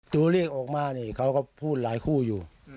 ตัวเลขออกมานี่เขาก็พูดหลายคู่อยู่